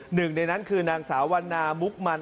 หนึ่งในนั้นคือนางสาววันนามุกมัน